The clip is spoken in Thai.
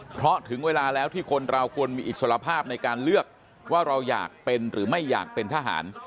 เพราะถึงเวลาแล้วที่คนเราควรมีอิสรภาพในการเลือกว่าเราอยากเป็นหรือไม่อยากเป็นทหาร